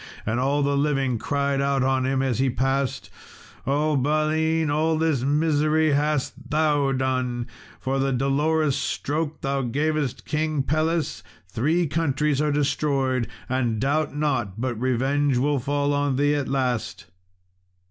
And all the living cried out on him as he passed, "O Balin, all this misery hast thou done! For the dolorous stroke thou gavest King Pelles, three countries are destroyed, and doubt not but revenge will fall on thee at last!"